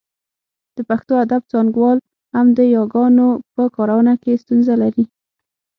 د پښتو ادب څانګوال هم د یاګانو په کارونه کې ستونزه لري